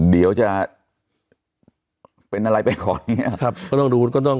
เดี๋ยวจะเป็นอะไรไปของอย่างนี้ครับ